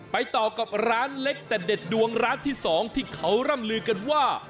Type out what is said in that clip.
ไปต่อกับร้านเล็กแต่เด็ดดวงร้านที่๒ที่เขาร่ำลือกันว่า